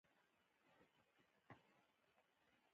چاینکي د سماوار